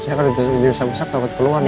saya kalau diusap usap takut keluar nanti